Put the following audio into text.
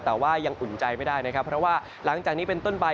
แต่ว่ายังอุ่นใจไม่ได้นะครับเพราะว่าหลังจากนี้เป็นต้นไป